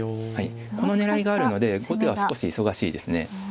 この狙いがあるので後手は少し忙しいですね。